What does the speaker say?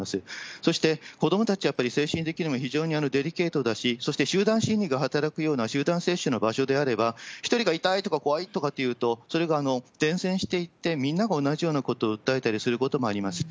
そして、子どもたちはやっぱり精神的にも非常にデリケートだし、そして集団心理が働くような集団接種の場所であれば、１人が痛いとか怖いとかいうと、それが伝染していって、みんなが同じようなことを訴えたりすることもあります。